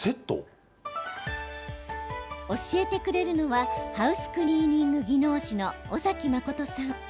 教えてくれるのはハウスクリーニング技能士の尾崎真さん。